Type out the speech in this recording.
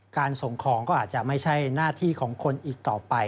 ส่งของก็อาจจะไม่ใช่หน้าที่ของคนอีกต่อไป